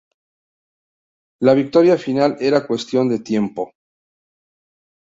La victoria final era cuestión de tiempo.